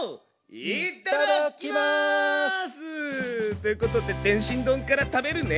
いただきます！ということで天津丼から食べるね。